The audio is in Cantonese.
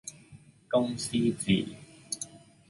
公司治